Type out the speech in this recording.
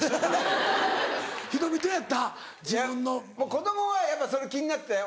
子供はやっぱ気になってたよ